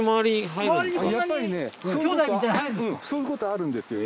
そういうことあるんですよ